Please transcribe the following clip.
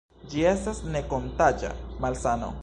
Ĝi estas ne-kontaĝa malsano.